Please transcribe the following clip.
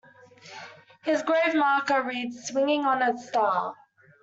His grave marker reads Swinging On A Star.